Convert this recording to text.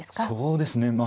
そうですね